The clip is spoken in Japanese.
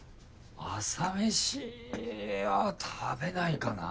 朝メシは食べないかな。